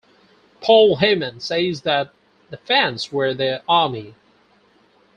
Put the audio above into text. Paul Heyman says that the fans were their army.